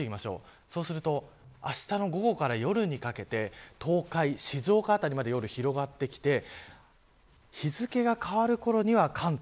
あしたの午後から夜にかけて東海、静岡辺りまで夜、広がってきて日付が変わるころには関東。